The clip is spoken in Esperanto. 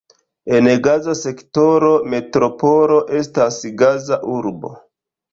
En Gaza sektoro metropolo estas Gaza-urbo.